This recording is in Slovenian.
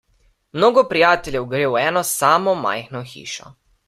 Mnogo prijateljev gre v eno samo majhno hišo.